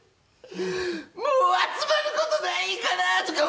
もう集まる事ないんかなとか。